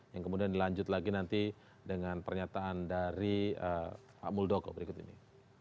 yang kemudian dilanjut lagi nanti dengan pernyataan dari pak muldoko berikut ini